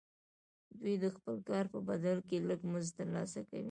دوی د خپل کار په بدل کې لږ مزد ترلاسه کوي